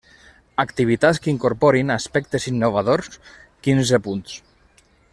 Activitats que incorporin aspectes innovadors, quinze punts.